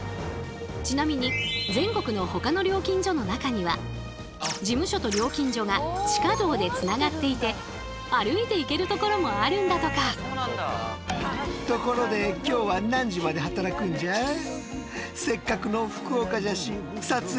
ちなみに全国のほかの料金所の中には事務所と料金所が地下道でつながっていて歩いて行けるところもあるんだとか。ということでやって来たのは中は立ち仕事大変。